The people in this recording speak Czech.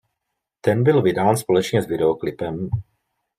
Ten byl vydán společně s videoklipem.